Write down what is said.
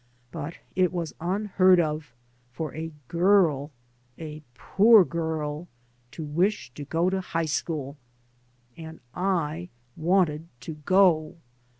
But it was unheard of for a girl, a poor girl, to wish to go to high school. And I wanted to go.